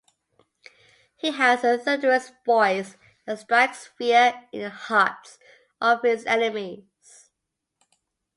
He has a thunderous voice that strikes fear in the hearts of his enemies.